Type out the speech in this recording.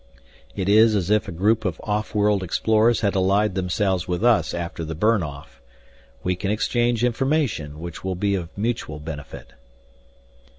It is as if a group of off world explorers had allied themselves with us after the Burn Off. We can exchange information which will be of mutual benefit."